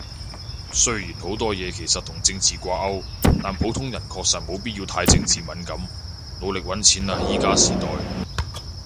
雖然好多嘢其實同政治掛鈎，但普通人確實沒必要太政治敏感。努力搵錢喇依家年代